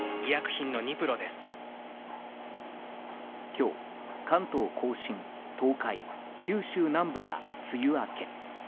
今日、関東・甲信、東海九州南部が梅雨明け。